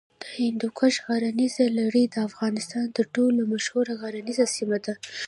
د هندوکش غرنیزه لړۍ د افغانستان تر ټولو مشهوره غرنیزه سیمه ده.